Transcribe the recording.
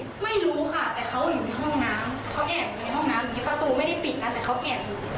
ประตูไม่ได้ปิดนะแต่เขาแอบอยู่